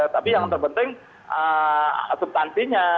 tapi yang terpenting subtansinya